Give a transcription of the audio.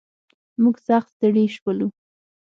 موږ سخت ستړي شولو.